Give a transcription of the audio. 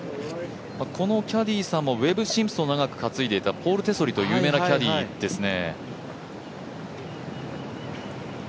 このキャディーさんもウェブ・シンプソンを長く担いでいたポールという有名なキャディーですね。